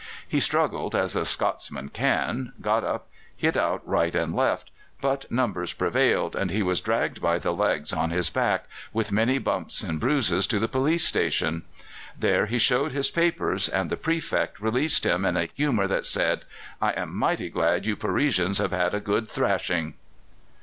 He struggled, as a Scotsman can, got up, hit out right and left; but numbers prevailed, and he was dragged by the legs on his back, with many bumps and bruises, to the police station. There he showed his papers, and the Prefect released him in a humour that said, "I am mighty glad you Parisians have had a good thrashing."